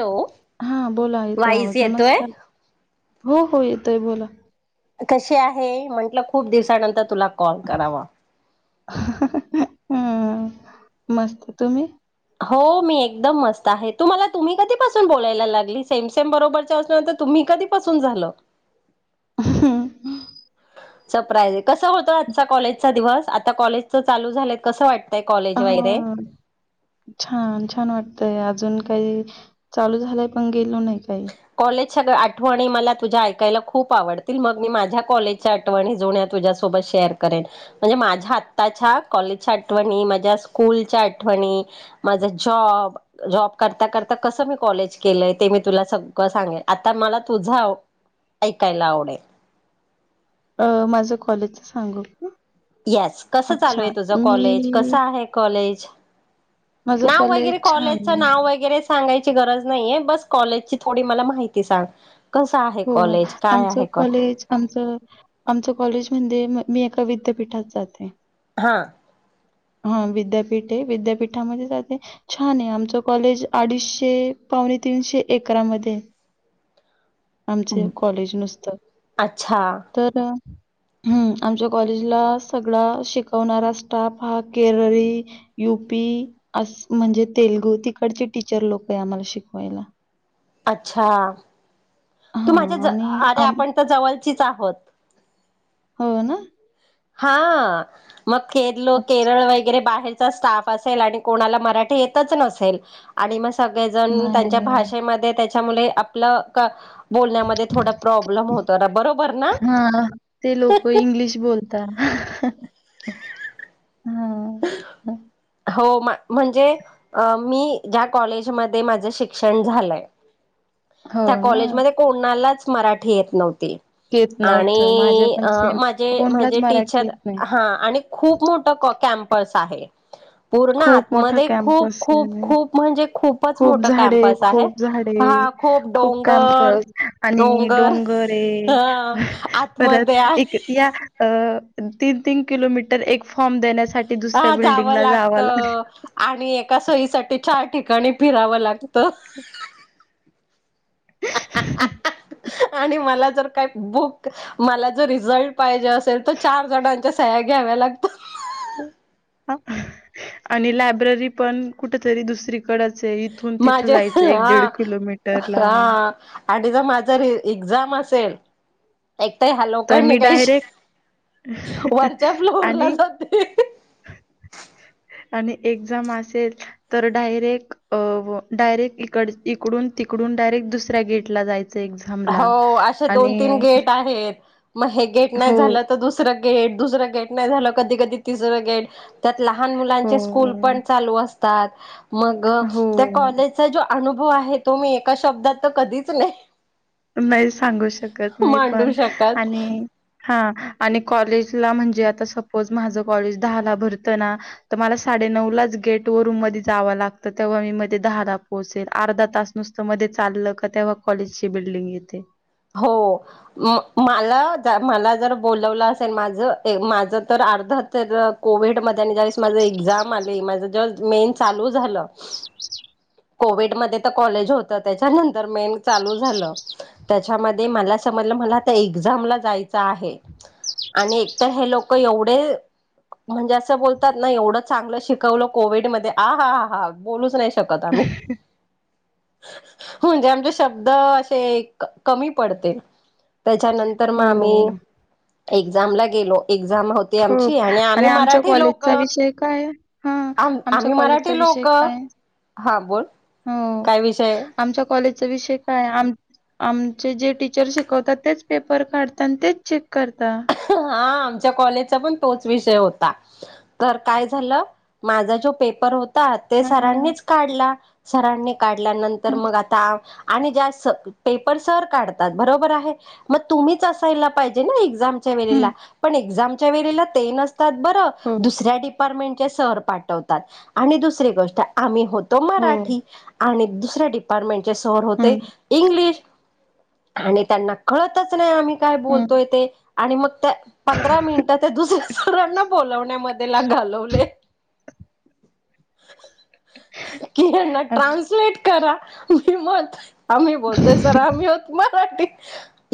Hello हा बोला येतोय वाईस आवाज येतोय नमस्कार हो हो येतोय बोला कशी आहे म्हंटलं खूप दिवसानंतर तुला - कॉल करावा हं, मस्त तुम्ही हो मी एकदम मस्त आहे तुम्हाला तुम्ही कधीपासून बोलायला लागली सेमसेम बरोबरच्या असूनंत तुम्ही कधीपसून झालं? हम सरप्राईज कसं होत आजचा कॉलेजचा दिवस आता कॉलेज च चालू झालेत कसं वाटत. हा छान छान वाटतय आ अजून काही चालू झालाय पण गेलो नाही काही कॉलेजच्या आठवणी मला तुझ्या ऐकायला खूप आवडतील मग मी माझ्या कॉलेजच्या आठवणी जुन्या तुझ्यासोबत शे शेअर करेल म्हणजे माझ्या आताच्या कॉलेजच्या आठवणी, माझ्या स्कूलच्या आठवणी माझ जॉब जॉब करता करता कस मी कॉलेज केलंय ते मी तुला सगळं सांगेल आता मला तुझ ऐकायला आवडेल अ माझं कॉलेजच सांगू येस कसं चालू अच्छा, आहे तुझं कॉलेज मी कसं आहे कॉलेज? माझं नाव कॉलेज वगैरे छान कॉलेजच नाव वगैरे सांगायच ची गरज नाहीये बस कॉलेजची थोडी मला माहिती सांग. कसं आहे हो कॉलेज काय आमचं आहे कॉ कॉलेज आमच आमचं कॉलेज म्हणजे मी एका विद्यापीठात जाते. हा. हा विद्यापीठ आहे विद्यापीठामध्ये जाते. छान आहे आमच कॉलेज अडीचशे ते पावणे तीनशे एकरामध्ये आहे. आमचे कॉलेज नुसतं अच्छा, तर हम्म आमच्या कॉलेजला सगळा शिकवणारा स्टाफ हा केरळ, यूपी युपी अस म्हणजे तेलगू तिकडचे टीचर लोक आहे आम्हाला शिकवायला. अच्छा तू हा माझ्या आणि अरे आम आपण तर जवळचीच आहोत. हो ना हा मग खेरलो, केरळ वगैरे बाहे ह्यचा असेल आणि कोणाला मराठी येतच नसेल आणि सगळेजण त्यांच्या नाही भाषेमध्ये त्याच्या मुले आपलं बोलण्यामध्ये थोडा प्रॉब्लेम होतो ना बरोबर ना तर हो. म्हणजे मी ज्या कॉलेजमध्ये माझ शिक्षण झालंय हो त्या ना कॉलेजमध्ये कोणालाच मराठी येत नव्हती. येत नव्हतं. माझं आणि पण सेम माझे कोणालाच म्हजे मराठी टीचर येत नाही. हा आणि खूप मोठ कप कॅम्प पस आहे. पूर्ण खूप मोठा आतमध्ये खूप कॅम्पस खूप आहे. खूप म्हणजे खूप खूप झाडे, खूप झाडे खूप काम करत आणि डोंगर डोंगरे ह परत आतमध्ये एक या तीन तीन किलोमीटर एक फॉर्म देण्या ह जावं लागत आणि एका सहीसाठी चार ठिकाणी फिरावं लागतं. [inaudible] आणि मला जर काही बुक मला जर रिझल्ट पाहिजे असेल तर चार जणां सह्या घ्याव्या लागता आणि लायब्ररी पण कुठ तरी दुसरी कडच आहे इथून तिथं माझे जायचं एक दीड हा किलोमीटर लांब एक माझा र एक्झाम असेल एक तर ह्या लोकांनी मी काही डायरेक्ट वरच्या आणि फ्लोरला जाते. आणि एक्झाम असेल तर डायरेक्ट डायरेक्ट इकड इकडून तिकडून डायरेक्ट दुसऱ्या गेटला जाय हो असे दोन तीन गेट आहे. मग हे गेट नाही हो, झालं तर दुसरं गेट दुसरं गेट नाही झालं कधी कधी तिसरं गेट त्यात लहान हो, मुलांचे स्कूल पण चालू असतात मग त्या हो. कॉलेजचा ज अनुभव आहे तो मी एका शब्दात तर कधीच नाही नाही सांगू शकत मी मांडू पण शकत आणि हा आणि कॉलेजला म्हणजे आता सपोज माझं कॉलेज दहाला भरतं ना तर मला साडे नऊ लाच गेट वरून मध्ये जाव लागत तेव्हा मी मध्ये दहा द पोहल अर्धा तास नुसत मध्ये चाललं ते्हा कॉलेज ची बिल्डिंग येते हो मला मला जर बलावलं असेल माझ माझ अर्ध तर कोविड मध्ये आणि ज्यावेळेस माझ एक्झाम आली माझ ज मेन चालू झालं ह कोविड म कॉलेज होत त्याच्यानंतर मे चालू झा त्याच्यामध्ये म मला आता एझामला जायच आहे आणि एकतर हे लोक एवढे म्हणजे असं बोलतात ना एवढं चांगलं शिकवल कोविड म आ हा ह हा बोलूच नाही शकत आम्ही रणढछदयसण म्हणजे आमचे शब्द असे कमी पडते त्याच्यानंतर मग आम्ही हो. एक्झामला गेलो एक्झाम होती आमची खप आम्ही आणि आमच्या मराठी लोक कॉलेजचा विषय काय हा आम आमच्या आम्ही कॉलेजचा मराठी विषय लोक श काय हा बोल हो, काय विषय आमच्या कॉलेजचा विषय काय आम आमचे जे टीचर शिकवतात तेच पेपर काढतात आणि तेच चेक करतात हा कण तोच विषय होता काय झा मा ज प ते हां, सरांनीच काढला सरांनी काढल्यानंतर हं, मग आता आणि ज पेपर सर काढतात बरोबर आहे मग तुम्हीच असायला पाहिजे ना एझाम भतथदयहहहहममय हं. हो, म स पाठवतात आणि दु गोष्ट आम्ही होतो हो. मराठी दुसऱ्या डिपार्टमेंटचे सर हं, होते इंग्लिश आणि त्यांना कळतच नाही आम्ही काय हं. बोलतोय ते आणि मग त्या पंधरा मिनिटं ते दुसऱ्या सरांना बोलवण्यामध्येला घालवले क ना अच्छा. ट्रांसलेट करा मी मत आम्ही बोलतोय सर आम्ही होत मराठी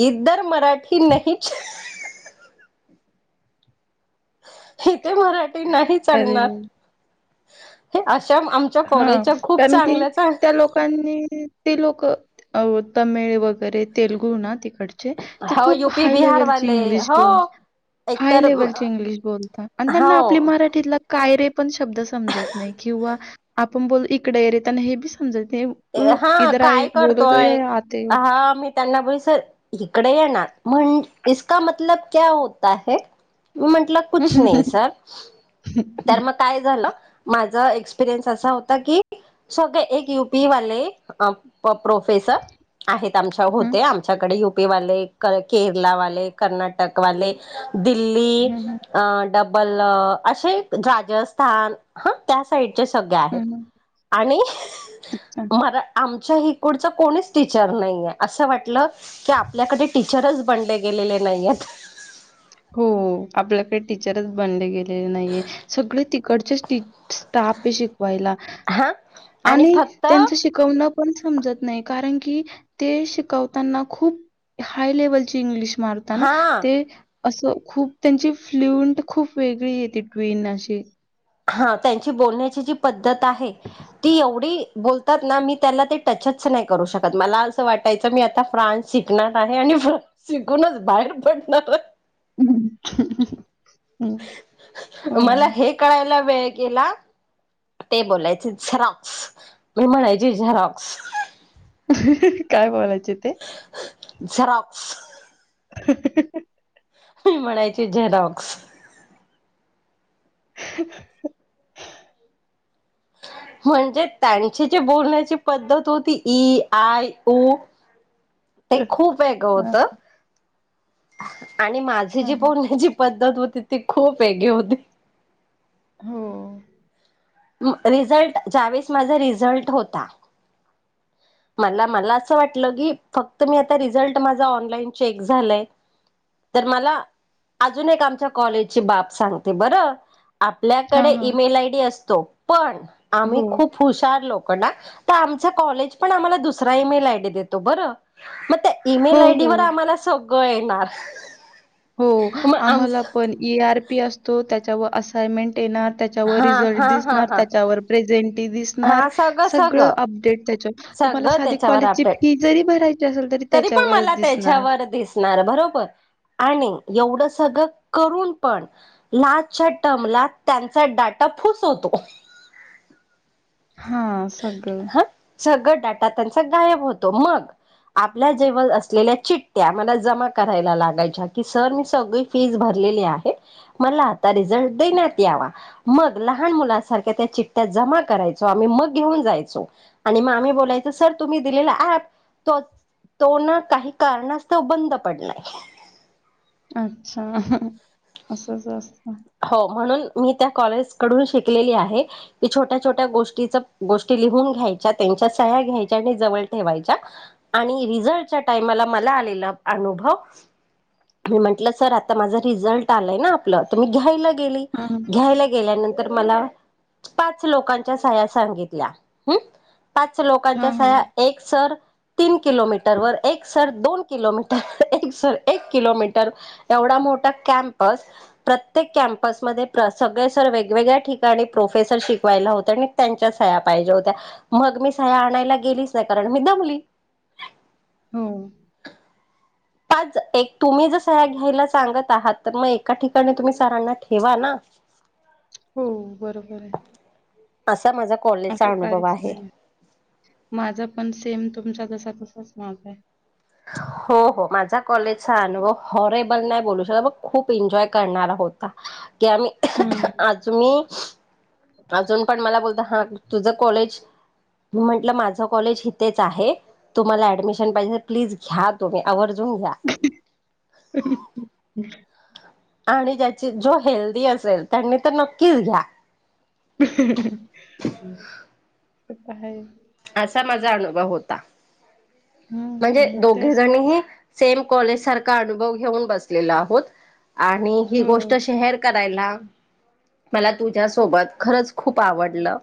इधर मराठी नाहीच इथे मराठी नाही अरे! चालणार हे अशा आमच्या हा कॉलेजच्या खूप कारण की चांगल्या चांग त्या लोकांनी ते लोक अ तमिळ वगैरे तेलगू ना तिक ड हो खूप युपी हाय लेवल बिहारवाले इंगलिश हो ब हाय एकतर लेवल ची इंग्लिश बोलत आणि त्यांना आपली हो मराठीतला कायरे पण शब्द समजत नाही किंवा आपण बोल इकडेरताना हे बी समजत नाही. "उ हा इधर आइए" काय बोलो तो करतोय ये आते हो. हा मी त्यांना बैस इकडे येणार म्हण इका मतलब क्या होता है मी म्हंटलं कुच नाही सर तर मग काय झालं माझा एक्सपिरियन्स असा होता की सगळे एक युपी वाले प्रोफेसर आहेत आमच्या हं, होते आमच्याकडे य केरलाले कर्नाटकले दिल्ली हं, हं, ल अस राजस्थान ह त्या सा ते सगळ आहे हं, हं. आणि हां. मरा आम [unintelligible] पुडच कोणीच टीचर नाहीये अस वाटलं की आपल्याकडे टीचरच बनले गेलेले नाहीयेत हो. आपल्याकडे टीचरच बनले गेलेले नाहीये सगळे तिकडचेच टी [unintelligible] शिकवायला हा आणि त्यांच शिकवणं समजत नाही कारण की ते शिकवताना खूप हाय लेवलची इंग्लिश मरताना ना हा ते असं खूप त्यांची फ्ल्युंट खूप वेगळी येते, ट्वीन अशी हा त्यांची बोलण्याची जी पद्धत आहे ती एवढी बोलतात ना मी त्याला ते टचच नाही करू शकत, मला असं वाटायचं मी आता फ्रान्स शिकणार आहे आणि शिकूनच बाहेर पडणार [unintelligible] मला हो. हे कळायला वेळ केला ते बोलायचे झेरॉक्स मी म्हणायची झरॉक्स. काय बोलायचे ते? झरॉक्स. [unintelligible] मी म्हणायची झेरॉक्स. [unintelligible] [inaudible] म्हणजे त्यांची जी बोलण्याची पद्धत होती इ आय उ ते खूप वेगंळ हां, होत आणि माझी हां, जी हां. बोलण्याची पद दत ति खूप वेगळी होती हो. म रिझल्ट ज्यावेळेस माझा रिझल्ट होता मला मला असं वाटलं की, फक्त मी आता रिझल्ट माझा ऑनलाईन चेक झालय तर मला अजून एक आमच्या कॉलेजची बाप सांगते बरं. हां, आपल्याकडे हां. ईमेल आयडी असतो, पण आम्ही हो. खूप हुशार लोक [unintelligible] त आमचा कॉलेज पण आम्हाला दुसरा ईमेल आयडी देतो बरं. हो, ईमेल आयडी वर हो. आम्हाला सगळं येणार. हो मग आम आम्हाला पण ईआरपी असतो त्याच्याव असाइमेंट येणार त्याच्यावर हा रिझल्ट हा हा दिसणार, हा त्याच्यावर प्रेझेंट दिसणार हा सगळं सगळ सगळं अपडेट त्याच्या सगळं त्याच्यावर आपडेट भरायची असेल, तरी पण त्याच्यावरच मला दिसणार. त्याच्यावर दिसणार भरो [unintelligible] आणि एवढं सगळं करून पण लाजच्या टर्मला त्यांचा डाटा फुस होतो हां, सगळं. हा सगळं डाटा त्यांचा गायब होतो. मग आपल्या जेवळ असलेल्या चिट्टया मला जमा करायला लागायच्या की सर मी सगळी फीज भर लेले आहे मला आता रिझल्ट देण्यात यावा, मग लहान मुलासारख्या त्या चिट्टया जा जमा करायचो आम्ही मग घेऊन जायचो आणि म आम्ही बोलायचो, सर तुम्ही दिलेला ऍप तो तो ना काही कारणास्तव बंद पडलाय अच्छा असंच अस हो म्हणून मी त्या कॉलेज कडून शिकलेली आहे की छोट्या छोट्या गोष्टीच गोष्टी लिहून घ्यायच्या त्यां च्या सह्या घ्यायच्या आणि जवळ ठेवायच्या आणि रिझल्ट च्या टाईमाला मला आलेला अनुभव म्हंटलं सर आता माझा रिझल्ट आलाय ना आपलं मी घ्यायला गेली हं. घ्यायला गेल्यानंतर मला पाच लोकांच्या सह्या सांगितल्या हम्म पाच लोकांच्या हां, हां. स्या एक सर तीन किलोमीटर वर एक सर दोन किलोमीटर एक एक किलोमीटर एवढा मोठा कॅम्पस प्रत्येक कॅमपसमध्ये सगळे सर वेगवेगळ्या ठिकाणी प्रोफेसर शिकवायला होत आणि त्यांच्या पाहिज होत्या मग मी सहाया्या आणायला गेलीच नाही कारण मी दमली हो, पाच एक, तुम्ही जर सह्या घ्यायला सांगत आहात तर मग एका ठिकाणी तुम्ही सरांना ठेवा नाऽ [unintelligible] हो, बरोबर आहे अस असं काहीच नाही, माझा पण सेमऽ तुमचा तसा तसाच माजाय. हो हो, हो, माझा कॉलेजचा अनुभव हॉऽरेबल नाय बोलू शकत अग जग खूप एन्जॉय करणारा होता. क आमी,, हं. आज मी अजून पण मला बोलत हां,, तुझं कॉलेज, म्हटलं माझं कॉलेज इथेच आहे,, तुम्हाला ऍडमिशन पाहिऽऽ प्लीज घ्या तुम्ही, आवर्जून घ्या. आणि ज्याची, जो हेल्दी असेल त्यांनी तर नक्कीच घ्या. हमम, यहां हायच जाणोभा होता. हं, म्हणजे हं. दोघे तेच. जणी ही, सेम कॉलेज सारखा अनुभव घेऊन बसलेलो आहोत. आणिऽऽ ही गोष्ट हो. शेहेर करऽऽ ला, मला तुझ्यासोबत खरच खूप आवडलं,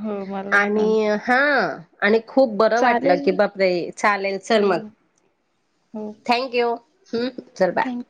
हो मला पण आणि हाऽऽ आणि खूप बरं वाटलं चालेल की बाऽऽ ये, चालेल,, हो चल मग,, हो थँक यू,, ह च,, ल बाय. थँक्यू